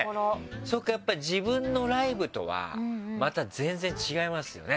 そっかやっぱ自分のライブとはまた全然違いますよね。